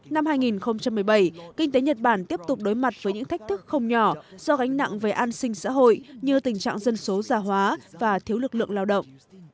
năm hai nghìn một mươi bảy kinh tế nhật bản tiếp tục đối mặt với những thách thức không nhỏ do gánh nặng về an sinh xã hội như tình trạng dân số già hóa và thiếu lực lượng lao động